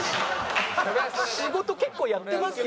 仕事結構やってますけどね。